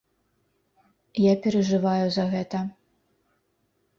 Я перажываю за гэта.